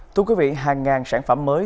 thưa quý vị hàng ngàn sản phẩm mới